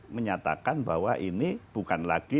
menyatakan bahwa ini bukan lagi